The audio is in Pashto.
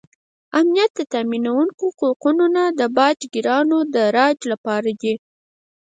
امنیت تامینونکي قوتونه د باج ګیرانو د راج لپاره دي.